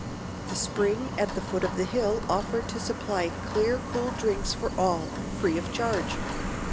The spring at the foot of the hill offered to supply clear cool drinks for all, free of charge.